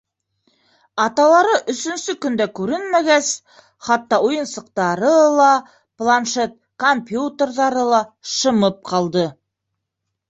Аталары өсөнсө көн дә күренмәгәс, хатта уйынсыҡтары ла, планшет, компьютерҙары ла шымып ҡалды.